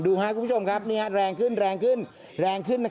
ดูค่ะคุณผู้ชมครับนี่แรงขึ้นแรงขึ้น